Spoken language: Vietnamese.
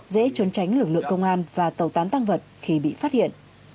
dễ trốn tránh lực lượng công an và tàu tán tăng vật khi bị phát hiện